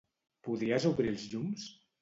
Podries obrir els llums?